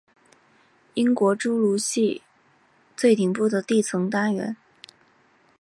英国侏罗系最顶部的地层单元。